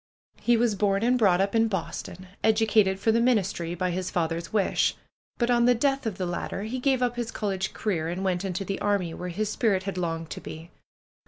He was born and brought up in Boston ; educated for the ministry by his father's wish. But on the death of 176 PRUE'S GARDENER the latter he gave up his college career and went into the army, where his spirit had longed to be.